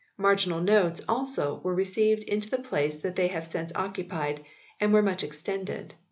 Marginal notes, also, were received into the place they have since occupied, and were much extended.